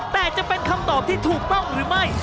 แต่จะเป็นคำตอบที่ถูกต้องหรือไม่